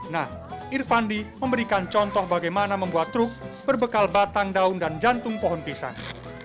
nah irfandi memberikan contoh bagaimana membuat truk berbekal batang daun dan jantung pohon pisang